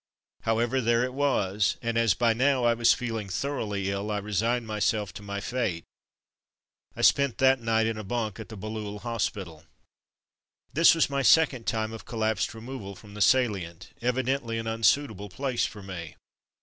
However, there it was, and as by now I was feeling thoroughly ill I resigned my self to my fate. I spent that night in a bunk at the Bailleul hospital. This was my second time of collapsed removal from the salient — evidently an un suitable place for me.